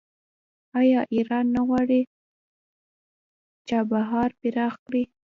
آیا ایران نه غواړي چابهار پراخ کړي؟